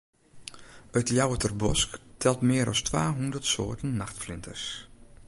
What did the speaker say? It Ljouwerter Bosk telt mear as twa hûndert soarten nachtflinters.